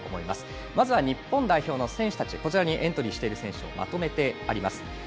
まず日本代表の選手たちエントリーしている選手をまとめてあります。